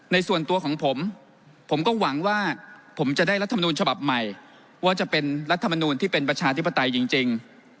ในส่วนตัวของผมผมก็หวังว่าผมจะได้รัฐมนูลฉบับใหม่ว่าจะเป็นรัฐมนูลที่เป็นประชาธิปไตยจริง